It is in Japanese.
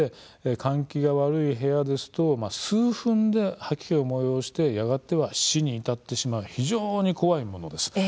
換気の悪い部屋ですと数分で吐き気を催すようになってやがては死に至ってしまう非常に怖いものです。